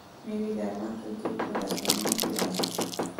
مېوې د افغان کلتور په داستانونو کې راځي.